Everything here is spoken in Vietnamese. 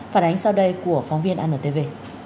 phản ánh sau đây của phóng viên anntv